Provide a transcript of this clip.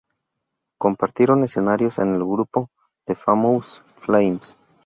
Compartieron escenarios en el grupo "The Famous Flames".